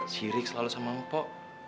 sirik selalu sama empoh